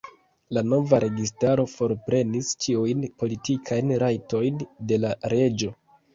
La nova registaro forprenis ĉiujn politikajn rajtojn de la reĝo.